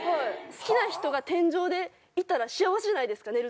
好きな人が天井でいたら幸せじゃないですか寝るときに。